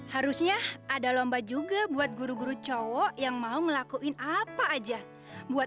harusnya ada lomba juga buat guru guru cowok yang mau ngelakuin apa aja buat